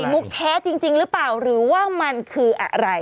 มุกแท้จริงหรือเปล่าหรือว่ามันคืออะไร